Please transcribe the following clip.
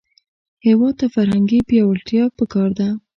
هېواد ته فرهنګي پیاوړتیا پکار ده